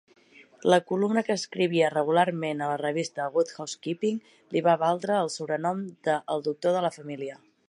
La columna que escrivia regularment a la revista "Good Housekeeping" li va valdre el sobrenom de "el Doctor de la Familia".